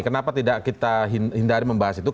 kenapa tidak kita hindari membahas itu